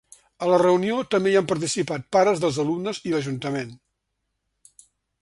A la reunió també hi han participat pares dels alumnes i l’ajuntament.